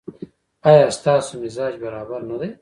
ایا ستاسو مزاج برابر نه دی؟